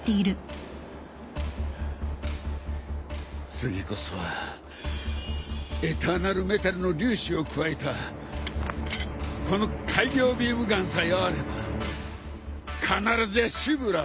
次こそはエターナルメタルの粒子を加えたこの改良ビームガンさえあれば必ずやシブラーを。